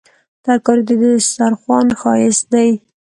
ترکاري د سترخوان ښايست دی